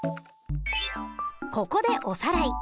ここでおさらい。